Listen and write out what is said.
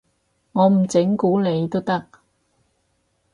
我唔整蠱你都得